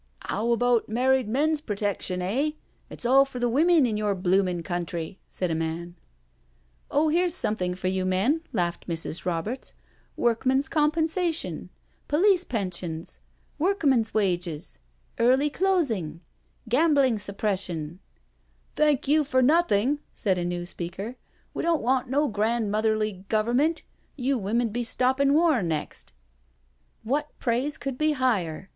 " 'Ow about married men's protection, eh? It's all for the women in your bloomin' country," said a man. " Oh, here's something for you men," laughed Mrs. Roberts —" Workmen's Compensation— Police Pensions ON A TROLLY CART 139 —Workmen's Wages — Early Closing— Gambling Sup pression '•" Thank you for nothing/* said a new speaker. " We don't want no grandmotherly Government — you womenM be stoppin' war next "'* What praise could be higher?"